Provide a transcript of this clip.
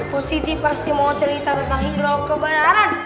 positi pasti mau cerita tentang hero kebenaran